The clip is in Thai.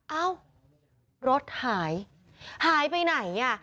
เอ้ารถหายหายไปไหนอ่ะ